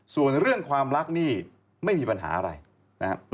ส่วนเรื่องความรักนี่ไม่มีปัญหาอะไรนะครับ